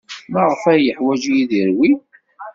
Maɣef ay yeḥwaj Yidir wi?